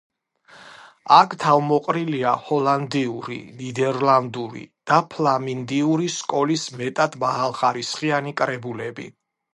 აქ თავმოყრილია ჰოლანდიური, ნიდერლანდური და ფლამანდიური სკოლის მეტად მაღალხარისხიანი კრებულები.